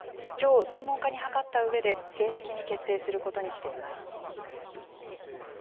きょう専門家に諮ったうえで、正式に決定することにしています。